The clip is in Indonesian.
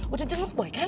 udah jenguk boy kan